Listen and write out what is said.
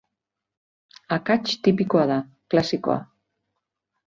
Akats tipikoa da, klasikoa.